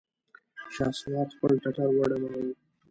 شهسوار خپل ټټر وډباوه!